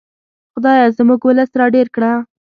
خدایه زموږ ولس را ډېر کړه.